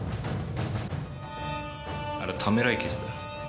あれはためらい傷だ。